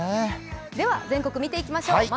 では全国を見ていきましょう。